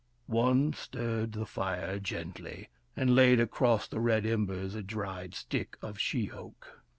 One stirred the fire gently, and laid across the red embers a dried stick of she oak.